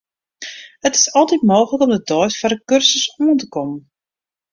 It is altyd mooglik om de deis foar de kursus oan te kommen.